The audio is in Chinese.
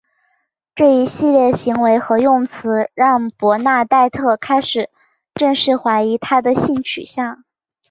这一系列行为和用词让伯纳黛特开始正式怀疑他的性取向。